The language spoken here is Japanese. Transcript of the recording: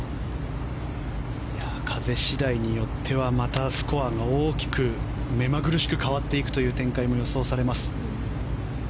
風次第によってはまたスコアが大きく変わっていくという展開も予想されます。